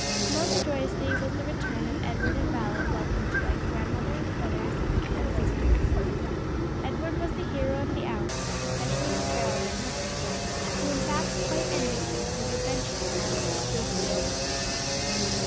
Most joyously was the return of Edward and Violet welcomed by grandmother, brothers and sisters. Edward was the hero of the hour, especially with Harold and Herbert, who in fact quite envied him his adventure now that it was safely over.